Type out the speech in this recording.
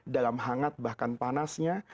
dalam hangat bahkan panasnya